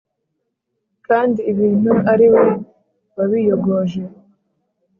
kandi ibintu ari we wabiyogoje!